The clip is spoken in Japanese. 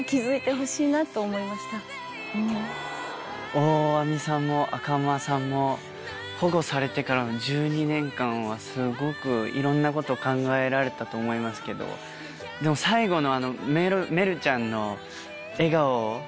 大網さんも赤間さんも保護されてからの１２年間はすごくいろんなこと考えられたと思いますけどでも最後の。